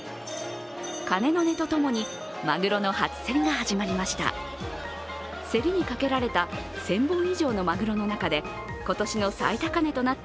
鐘の音と共にまぐろの初競りが始まりました。